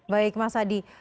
baik mas adi